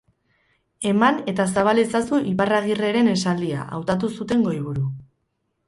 Eman eta zabal ezazu, Iparragirreren esaldia, hautatu zuten goiburu.